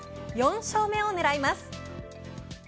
４勝目を狙います。